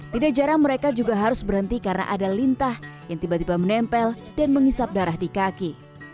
tidak jarang mereka juga harus berhenti karena ada lintah yang tiba tiba menempel dan menghisap darah di kaki